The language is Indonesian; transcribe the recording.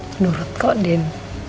menurut kok din